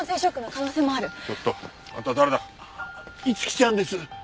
逸希ちゃんです。